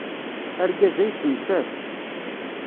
Argaz-a yettemttat.